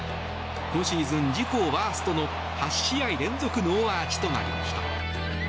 今シーズン自己ワーストの８試合連続ノーアーチとなりました。